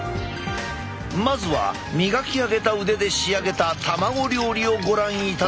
まずは磨き上げた腕で仕上げた卵料理をご覧いただこう。